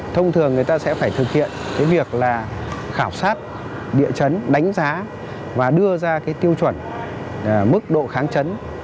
thông thường người ta sẽ phải thực hiện cái việc là khảo sát địa chấn đánh giá và đưa ra cái tiêu chuẩn mức độ kháng chấn